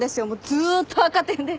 ずーっと赤点で。